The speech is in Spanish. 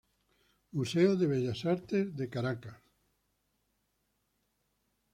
Museo de Bellas Artes de Caracas.